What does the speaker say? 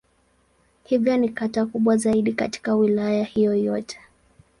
Hivyo ni kata kubwa zaidi katika Wilaya hiyo yote.